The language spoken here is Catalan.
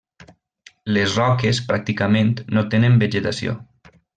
Les roques pràcticament no tenen vegetació.